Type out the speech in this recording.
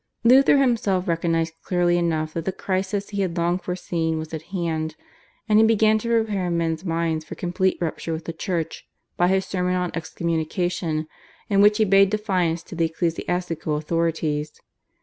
Luther himself recognised clearly enough that the crisis he had long foreseen was at hand, and he began to prepare men's minds for complete rupture with the Church by his sermon on excommunication in which he bade defiance to the ecclesiastical authorities.